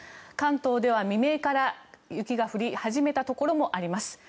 関東では未明から雪が降り始めたところもあります。